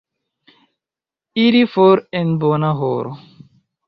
Iri for en bona horo.